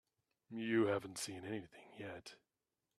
You haven't seen anything yet.